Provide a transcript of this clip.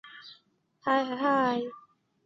自由女神像就位于国家自由纪念区之内。